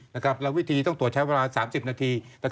แล้ววิธีต้องตรวจใช้เวลา๓๐นาที